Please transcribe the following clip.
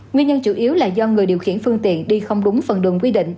nguyên nhân chủ yếu là do người điều khiển phương tiện đi không đúng phần đường quy định